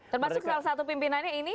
termasuk salah satu pimpinannya ini